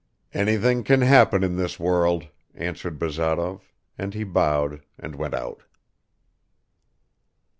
"Anything can happen in this world," answered Bazarov, and he bowed and went out.